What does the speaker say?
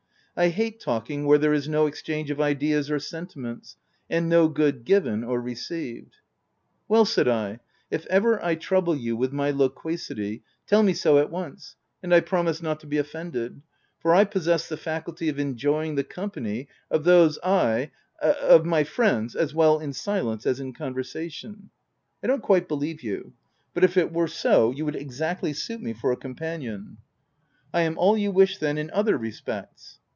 I hate talking where there is no exchange of ideas or sentiments, and no good given or received/' " Well," said I, " if ever I trouble you with my loquacity, tell me so at once, and I promise not to be offended ; for I possess the faculty of enjoying the company of those I of my friends as well in silence as in conversation.' 5 " I don't quite believe you ; but if it were so, you would exactly suit me for a companion. J> VOL. I. i 170 THE TENANT "I am all you wish, then, in other respects